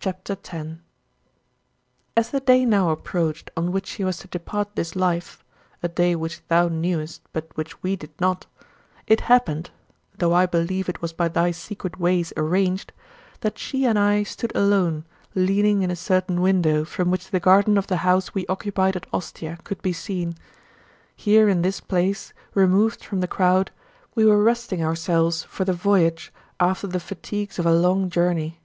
CHAPTER X 23. As the day now approached on which she was to depart this life a day which thou knewest, but which we did not it happened (though I believe it was by thy secret ways arranged) that she and I stood alone, leaning in a certain window from which the garden of the house we occupied at Ostia could be seen. Here in this place, removed from the crowd, we were resting ourselves for the voyage after the fatigues of a long journey.